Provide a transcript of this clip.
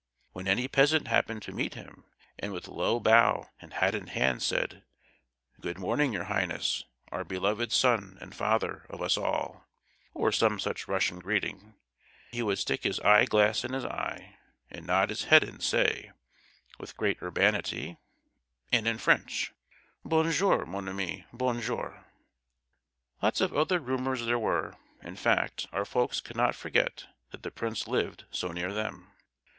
When any peasant happened to meet him, and with low bow, and hat in hand, said, "Good morning, your highness—our beloved Sun, and Father of us all," or some such Russian greeting, he would stick his eye glass in his eye, nod his head and say, with great urbanity, and in French, "Bon jour, mon ami, bon jour!" Lots of other rumours there were—in fact, our folks could not forget that the prince lived so near them.